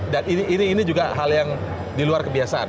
dan ini juga hal yang di luar kebiasaan